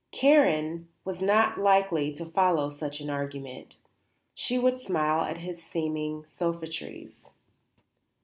Karen was not likely to follow such an argument. She would smile at his seeming sophistries.